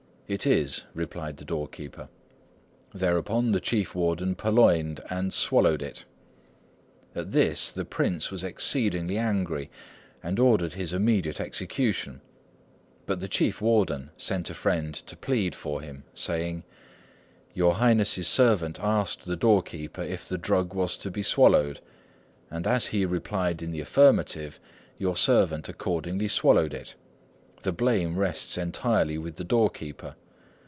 'It is,' replied the doorkeeper. Thereupon, the Chief Warden purloined and swallowed it. At this, the Prince was exceedingly angry and ordered his immediate execution; but the Chief Warden sent a friend to plead for him, saying, 'Your Highness's servant asked the doorkeeper if the drug was to be swallowed, and as he replied in the affirmative, your servant accordingly swallowed it. The blame rests entirely with the doorkeeper.